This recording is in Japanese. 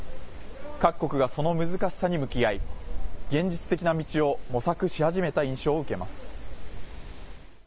各国がその難しさに向き合い、現実的な道を模索し始めた印象を受けます。